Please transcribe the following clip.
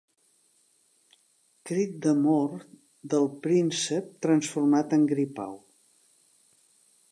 Crit d'amor del príncep transformat en gripau.